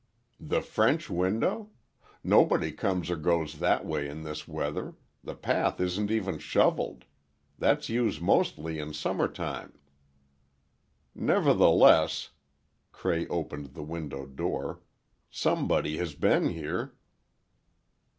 "The French window? Nobody comes or goes that way in this weather; the path isn't even shoveled. That's used mostly in summer time." "Nevertheless," Cray opened the window door, "somebody has been here."